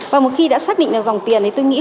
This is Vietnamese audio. và một khi đã xác định được dòng tiền thì tôi nghĩ